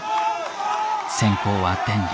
先攻は天理。